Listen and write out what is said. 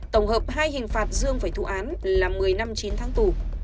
tổng hợp hai hình phạt dương phải thụ án là một mươi năm chín tháng tù